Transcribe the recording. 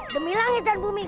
demi langit dan bumi